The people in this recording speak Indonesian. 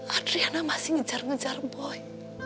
adriana masih ngejar ngejar boy